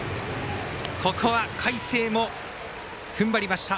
ここは海星もふんばりました。